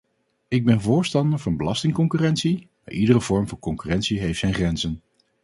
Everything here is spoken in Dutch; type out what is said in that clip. Ik ben voorstander van belastingconcurrentie, maar iedere vorm van concurrentie heeft zijn grenzen.